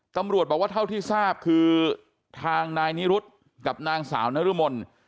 ตำรวจบอกว่าเท่าที่ทราบคือทางนายนิรุธกับนางสาวนรมน